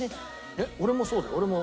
えっ俺もそうだよ俺も。